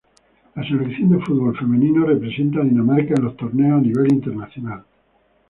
La selección de fútbol femenino representa a Dinamarca en los torneos a nivel internacional.